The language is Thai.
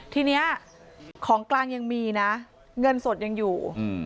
ทีนี้ของกลางยังมีนะเงินสดยังอยู่